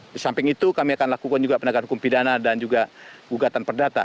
di samping itu kami akan lakukan juga penegakan hukum pidana dan juga gugatan perdata